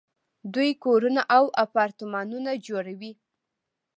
دوی کورونه او اپارتمانونه جوړوي.